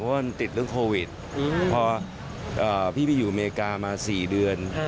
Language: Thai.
เพราะมันติดเรื่องโควิดพอพี่ไปอยู่อเมริกามา๔เดือน